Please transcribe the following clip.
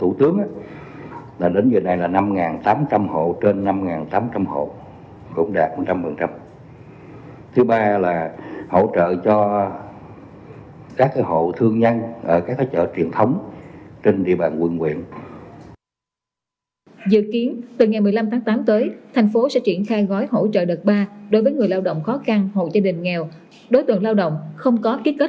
hộ thương nhân ở các chợ truyền thống trên địa bàn quận viện một mươi năm trên một mươi năm hộ kinh doanh cá thể ngân hoạt động theo chỉ thị một mươi sáu cpttg đạt chín mươi hộ thương nhân ở các chợ truyền thống trên địa bàn quận viện một mươi năm trên một mươi năm hộ kinh doanh cá thể ngân hoạt động theo chỉ thị một mươi sáu cpttg đạt chín mươi